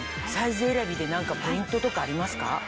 サイズ選びで何かポイントとかありますか？